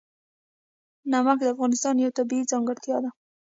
نمک د افغانستان یوه طبیعي ځانګړتیا ده.